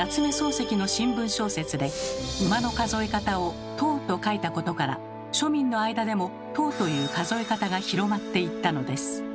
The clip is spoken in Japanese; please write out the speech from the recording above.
漱石の新聞小説で馬の数え方を「頭」と書いたことから庶民の間でも「頭」という数え方が広まっていったのです。